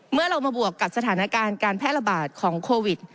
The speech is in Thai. เมื่อเรามาบวกกับสถานการณ์การแพร่ระบาดของโควิด